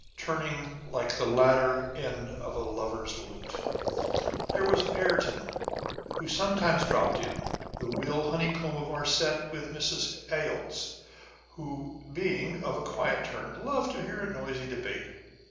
" turning like the latter end of a lover's lute :" there was Ayrton, who sometimes dropped in, the Will Honeycomb of our set â€" and Mrs. Eeynolds, who being of a quiet turn, loved to hear a noisy debate.